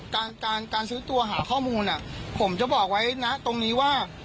การการซื้อตัวหาข้อมูลผมจะบอกไว้นะตรงนี้ว่า